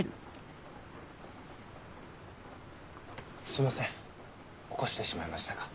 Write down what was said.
すいません起こしてしまいましたか。